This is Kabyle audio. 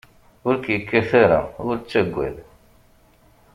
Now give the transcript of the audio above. Ur k-yekkat ara, ur ttaggad.